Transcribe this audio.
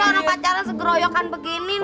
masa orang pacaran segeroyokan begini